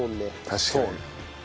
確かに。